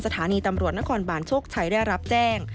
สถานีตำรวจนครบาลโชคชัยได้รับแจ้ง